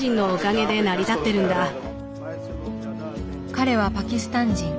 彼はパキスタン人。